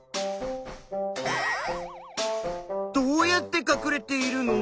どうやってかくれているの？